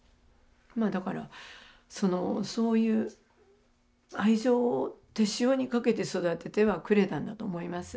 まあだからそのそういう愛情を手塩にかけて育ててはくれたんだと思います。